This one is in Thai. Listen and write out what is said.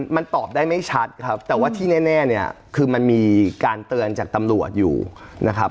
มันตอบได้ไม่ชัดครับแต่ว่าที่แน่เนี่ยคือมันมีการเตือนจากตำรวจอยู่นะครับ